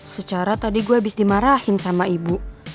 secara tadi gue habis dimarahin sama ibu